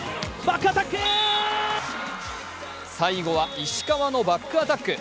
最後は石川のバックアタック。